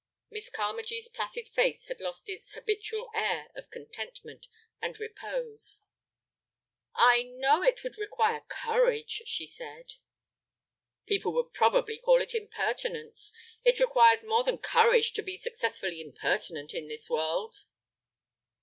Miss Carmagee's placid face had lost its habitual air of contentment and repose. "I know it would require courage," she said. "People would probably call it impertinence. It requires more than courage to be successfully impertinent in this world."